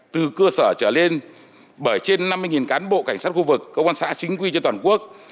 từ cơ sở trở lên bởi trên năm mươi cán bộ cảnh sát khu vực công an xã chính quy trên toàn quốc